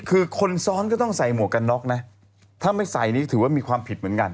คือคนซ้อนก็ต้องใส่หมวกกันน็อกนะถ้าไม่ใส่นี่ถือว่ามีความผิดเหมือนกัน